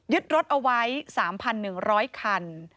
รถเอาไว้๓๑๐๐คัน